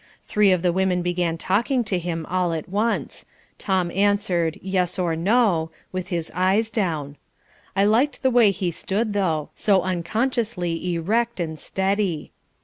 Three of the women began talking to him all at once. Tom answered, yes or no, with his eyes down. I liked the way he stood, though, so unconsciously erect and steady.